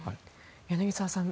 柳澤さん